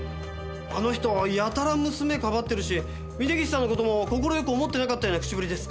あの人やたら娘かばってるし峰岸さんの事も快く思ってなかったような口ぶりです。